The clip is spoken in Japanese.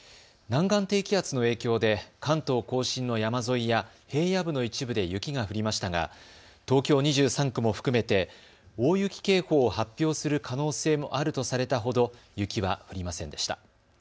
南岸低気圧の影響で関東甲信の山沿いや平野部の一部で雪が降りましたが東京２３区も含めて大雪警報を発表する可能性もあるとされたほど雪は降りませんでした。